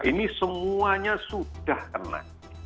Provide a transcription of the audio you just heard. ini semuanya sudah kena